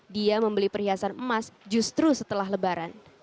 dia membeli perhiasan emas justru setelah lebaran